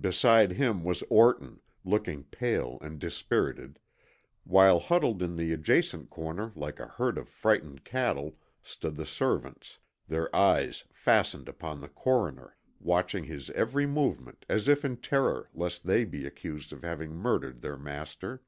Beside him was Orton, looking pale and dispirited, while huddled in the adjacent corner like a herd of frightened cattle stood the servants, their eyes fastened upon the coroner, watching his every movement as if in terror lest they be accused of having murdered their master.